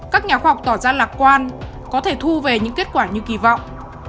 các nhà khoa học tỏ ra lạc quan có thể thu về những kết quả như kỳ vọng